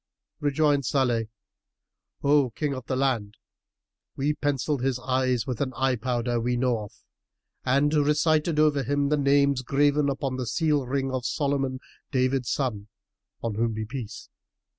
Rejoined Salih, "O King of the land, we pencilled his eyes with an eye powder we know of and recited over him the names graven upon the seal ring of Solomon David son (on whom be the Peace!)